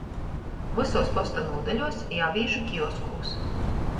Vysuos posta nūdaļuos i avīžu kioskūs.